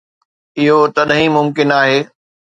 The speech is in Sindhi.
اهو تڏهن ئي ممڪن آهي.